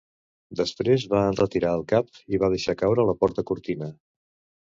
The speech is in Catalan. Després va enretirar el cap i va deixar caure la porta-cortina.